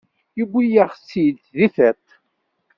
Yewwi-yak-tt-id di tiṭ.